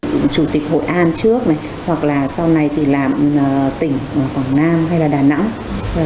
chủ tịch hội an trước này hoặc là sau này thì làm tỉnh quảng nam hay là đà nẵng